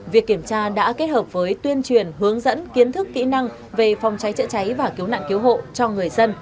việc kiểm tra đã kết hợp với tuyên truyền hướng dẫn kiến thức kỹ năng về phòng cháy chữa cháy và cứu nạn cứu hộ cho người dân